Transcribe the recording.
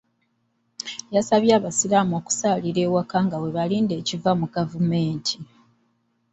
Yasabye abasiraamu okusalira awaka nga bwe balidde ekiva mu gavumenti.